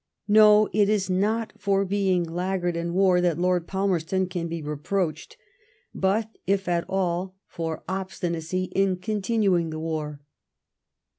No ; it is not for being laggard in war that Lord Palmerston can be reproached, but, if at all, for obstinacy in continuing the war.